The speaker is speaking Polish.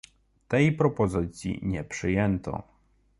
Tej propozycji nie przyjęto